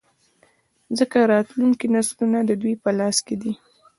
ځـکـه راتـلونکي نـسلونه د دوي پـه لاس کـې دي.